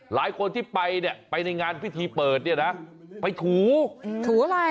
หลายคนที่ไปเนี่ยไปในงานพิธีเปิดเนี่ยนะไปถูถูอะไร